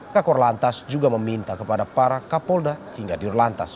kakor lantas juga meminta kepada para kapolda hingga dirlantas